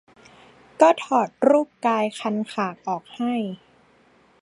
ก็ถอดรูปกายคันคากออกให้